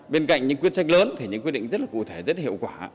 bên cạnh những quyết sách lớn thì những quy định rất là cụ thể rất hiệu quả